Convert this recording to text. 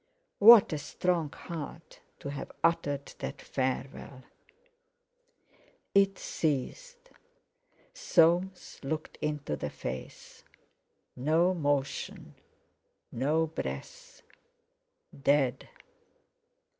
What a strong heart, to have uttered that farewell! It ceased. Soames looked into the face. No motion; no breath! Dead!